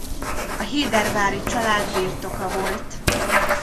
A Héderváry család birtoka volt.